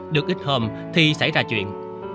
được ít hôm thì xảy ra chuyện